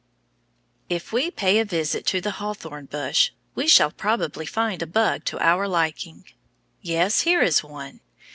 ] IF we pay a visit to that hawthorn bush we shall probably find a bug to our liking. Yes, here is one.